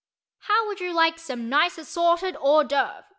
"How would you like some nice assorted hors d'œuvres?"